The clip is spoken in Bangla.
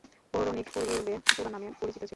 পৌরাণিক পূর্বে পুরাণ নামে পরিচিত ছিল।